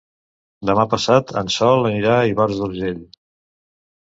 Demà passat en Sol anirà a Ivars d'Urgell.